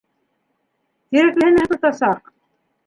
Тирәклеһенә һыпыртасаҡ!